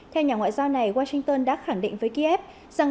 theo nhà ngoại giao này washington đã khẳng định với kiev rằng